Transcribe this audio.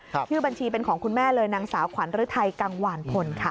ชื่อบัญชีเป็นของคุณแม่เลยนางสาวขวัญฤทัยกังวานพลค่ะ